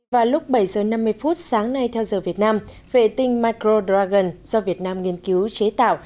vào lúc bảy giờ năm mươi phút sáng nay theo giờ việt nam vệ tinh micro dragon do việt nam nghiên cứu chế tạo